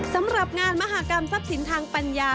สำหรับงานมหากรรมทรัพย์สินทางปัญญา